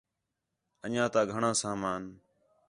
انڄیاں تا گھݨاں سامان